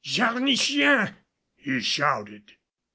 "Jarnichien!" he shouted.